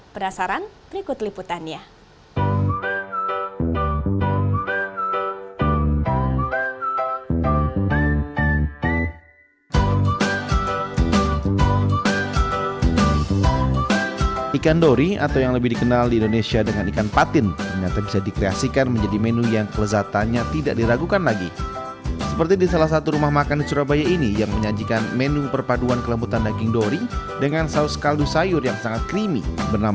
berdasaran berikut liputannya